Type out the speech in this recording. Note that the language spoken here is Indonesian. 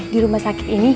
di rumah sakit ini